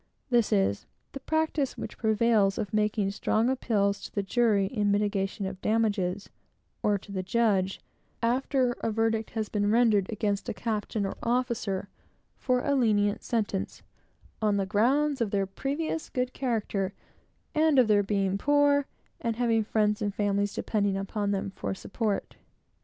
This is, the practice which prevails of making strong appeals to the jury in mitigation of damages, or to the judge, after a verdict has been rendered against a captain or officer, for a lenient sentence, on the grounds of their previous good character, and of their being poor, and having friends and families depending upon them for support.